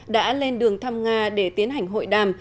đã lên đường thăm nga để tiến hành hội đàm